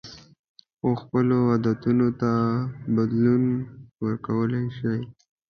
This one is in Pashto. خو خپلو عادتونو ته بدلون ورکولی شئ.